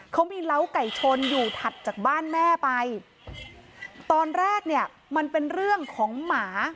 เขามีเล้าไก่ชนอยู่ถัดจากบ้านแม่ไปตอนแรกเนี่ยมันเป็นเรื่องของหมา